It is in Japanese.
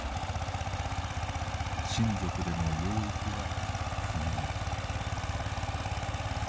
「親族での養育は不能」。